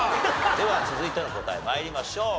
では続いての答え参りましょう。